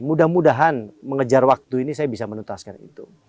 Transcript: mudah mudahan mengejar waktu ini saya bisa menuntaskan itu